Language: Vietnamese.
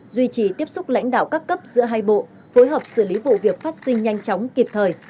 duy trì tiếp xúc lãnh đạo các cấp giữa hai bộ phối hợp xử lý vụ việc phát sinh nhanh chóng kịp thời